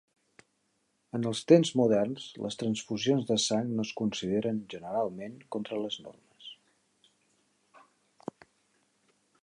En els temps moderns, les transfusions de sang no es consideren generalment contra les normes.